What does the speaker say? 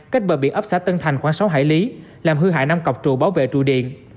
cách bờ biển ấp xã tân thành khoảng sáu hải lý làm hư hại năm cọc trụ bảo vệ trụ điện